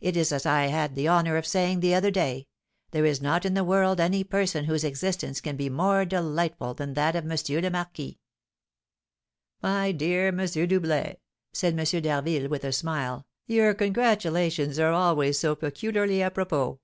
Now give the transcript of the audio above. It is as I had the honour of saying the other day, there is not in the world any person whose existence can be more delightful than that of M. le Marquis." "My dear M. Doublet," said M. d'Harville, with a smile, "your congratulations are always so peculiarly apropos."